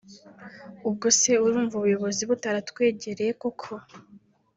ubwo se urumva ubuyobozi butaratwegereye koko”